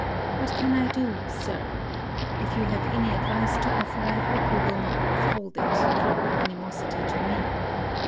What can I do, Sir? if you have any advice to offer, I hope you will not withhold it, from animosity to me.